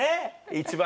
一番